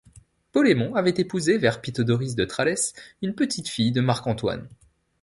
Polémon avait épousé vers Pythodoris de Trallès, une petite-fille de Marc Antoine.